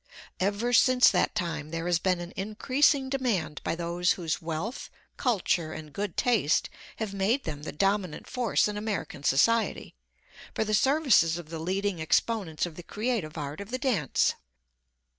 Ever since that time there has been an increasing demand by those whose wealth, culture and good taste have made them the dominant force in American society, for the services of the leading exponents of the creative art of the dance.